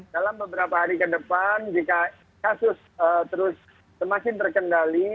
dalam beberapa hari ke depan jika kasus terus semakin terkendali